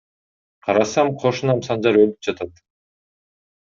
Карасам кошунам Санжар өлүп жатат.